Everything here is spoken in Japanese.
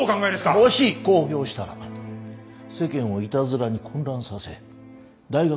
もし公表したら世間をいたずらに混乱させ大学